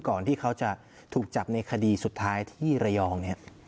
ก่อนที่เขาจะถูกจับในคดีสุดท้ายที่ระยองเนี่ย